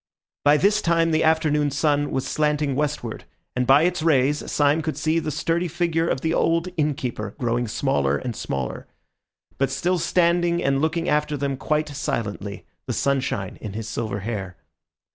By this time the afternoon sun was slanting westward, and by its rays Syme could see the sturdy figure of the old innkeeper growing smaller and smaller, but still standing and looking after them quite silently, the sunshine in his silver hair.